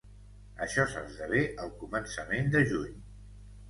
Això s'esdevé al començament de juny.